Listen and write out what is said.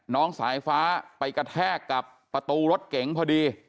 น้องสายฟ้าไปกระแทกกับประตูรถเก๋งพอดี